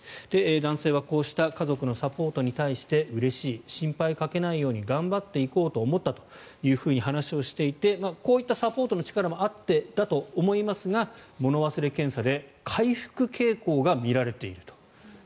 男性はこうした家族のサポートに対してうれしい心配かけないように頑張っていこうと思ったと話をしていてこういったサポートの力もあってだと思いますが物忘れ検査で回復傾向がみられていると。